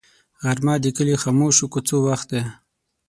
غرمه د کلي د خاموشو کوڅو وخت دی